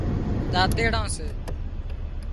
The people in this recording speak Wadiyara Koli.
ۮاتيڙان سي